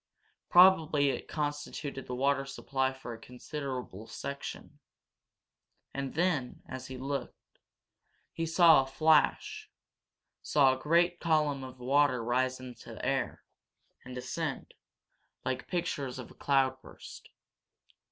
Probably it constituted the water supply for a considerable section. And then, as he looked, he saw a flash saw a great column of water rise in the air, and descend, like pictures of a cloudburst.